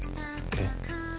えっ？